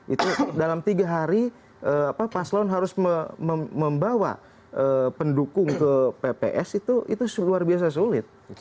itu dalam tiga hari paslon harus membawa pendukung ke pps itu luar biasa sulit